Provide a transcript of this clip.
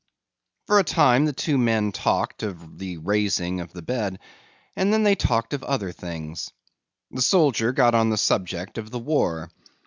For a time the two men talked of the raising of the bed and then they talked of other things. The soldier got on the subject of the war.